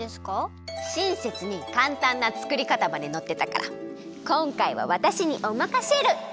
しんせつにかんたんなつくりかたまでのってたからこんかいはわたしにおまかシェル！